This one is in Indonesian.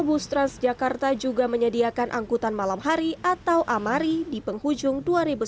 bus transjakarta juga menyediakan angkutan malam hari atau amari di penghujung dua ribu sembilan belas